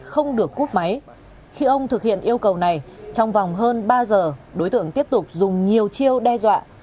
khi ông thực hiện yêu cầu này trong vòng hơn ba giờ đối tượng tiếp tục dùng nhiều chiêu đe dọa